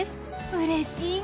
うれしいな！